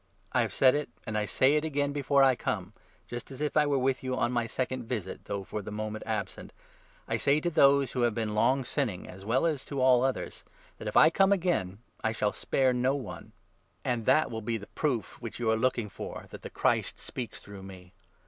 I have said it, and I say it again before I come, just as if I 2 1 Deut. i<». 15. II. CORINTHIANS, 13. 347 were with you on my second visit, though for the moment absent, I say to those who have been long sinning, as well as to all others — that if I come again, I shall spare no one. And 3 that will be the proof, which you are looking for, that the Christ speaks through me.